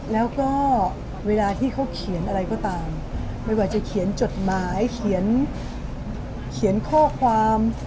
แล้วก็เวลาที่เขาเขียนอะไรก็ตามไม่ว่าจะเขียนจดหมายเขียนข้อความ